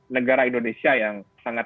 negara indonesia yang sangat